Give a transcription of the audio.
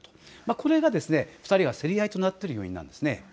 これが２人が競り合いとなっている要因です。